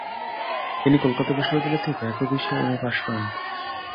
তিনি কলকাতা বিশ্ববিদ্যালয় থেকে একই বিষয়ে এম.এ পাস করেন।